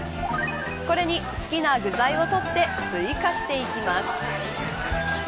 これに、好きな具材を取って追加していきます。